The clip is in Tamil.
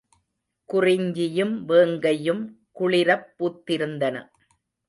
குறிஞ்சியும் வேங்கையும் குளிரப் பூத்திருந்தன.